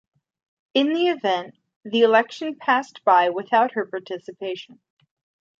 In the event, the election passed by without her participation.